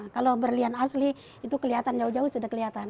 kalau berlian asli itu kelihatan jauh jauh sudah kelihatan